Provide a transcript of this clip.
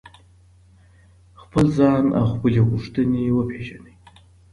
خپل ځان او خپلي غوښتنې وپیژنئ.